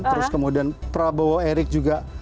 terus kemudian prabowo erik juga